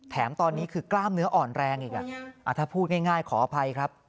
แถมตอนนี้คือกล้ามเนื้ออ่อนแรงอีกถ้าพูดง่ายขออภัยครับ